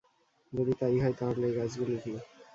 যদি তাই হয়, তাহলে এ গাছগুলি কি?